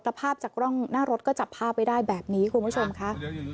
ภาพจากกล้องหน้ารถก็จับภาพไว้ได้แบบนี้คุณผู้ชมค่ะ